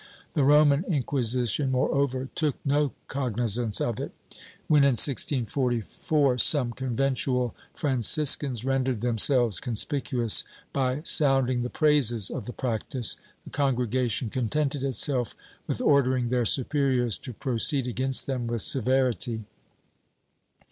The Roman Inquisition, moreover, took no cognizance of it. When, in 1644, some Conventual Franciscans rendered themselves con spicuous by sounding the praises of the practice, the Congregation contented itself with ordering their superiors to proceed against them with severity.